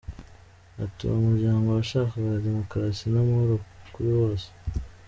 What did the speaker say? Ati uwo muryango washakaga demokarasi n'amahoro kuri bose.